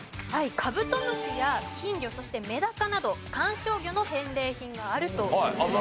カブトムシや金魚そしてメダカなど観賞魚の返礼品があるという事です。